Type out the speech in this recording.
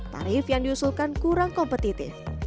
tarif yang diusulkan kurang kompetitif